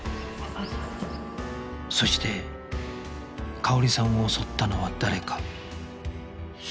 そして佳保里さんを襲ったのは誰か